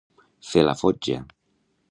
Fer la fotja.